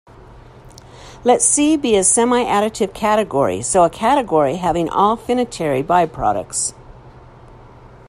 Let C be a semiadditive category, so a category having all finitary biproducts.